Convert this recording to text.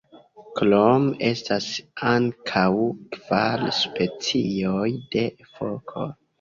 Krome estas ankaŭ kvar specioj de fokoj.